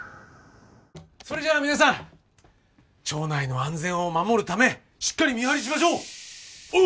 それじゃあ皆さん町内の安全を守るためしっかり見張りしましょう！